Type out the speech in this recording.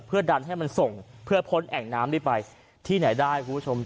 เพื่อดันให้มันส่งเพื่อพ้นแอ่งน้ำนี้ไปที่ไหนได้คุณผู้ชม